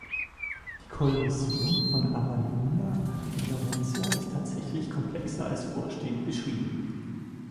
Die Kollision von Avalonia mit Laurentia ist tatsächlich komplexer als vorstehend beschrieben.